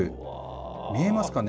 見えますかね。